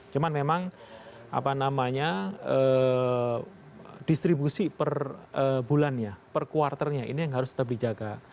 cuma memang apa namanya distribusi per bulannya per kuarternya ini yang harus tetap dijaga